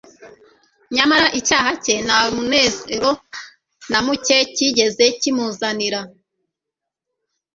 Nyamara icyaha cye nta muruezero na muke cyigeze kimuzanira.